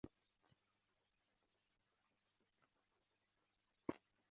Kuna adhabu kwa sababu mchezo unaweza kuwa hatari.